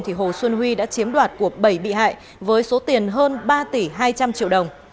thì hồ xuân huy đã chiếm đoạt của bảy bị hại với số tiền hơn ba tỷ hai trăm linh triệu đồng